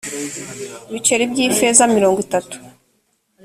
biceri by ifeza mirongo itatu